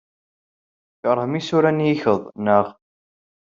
Tkeṛhem isura n yikkeḍ, naɣ?